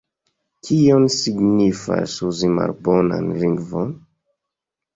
Kion signifas uzi malbonan lingvon?